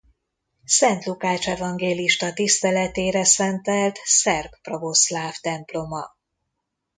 Szent Lukács evangélista tiszteletére szentelt szerb pravoszláv temploma.